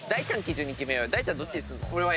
大ちゃんどっちにすんの？